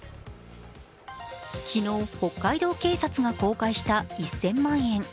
昨日、北海道警察が公開した１０００万円。